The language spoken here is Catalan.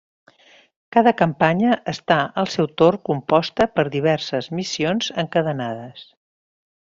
Cada campanya està al seu torn composta per diverses missions encadenades.